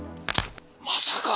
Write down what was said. まさか！